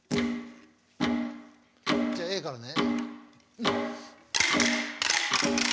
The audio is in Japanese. じゃあＡからね。